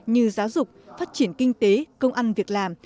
như giáo dục phát triển kinh tế công ăn việc làm